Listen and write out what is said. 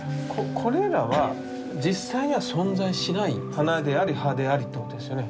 これらは実際には存在しない花であり葉でありっていうことですよね？